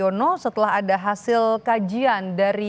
dan sudah diperiksa ulang